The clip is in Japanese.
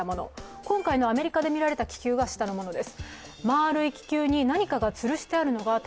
今回のアメリカで見られた気球が下のものです。